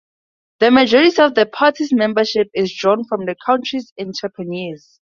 The majority of the party's membership is drawn from the country's entrepreneurs.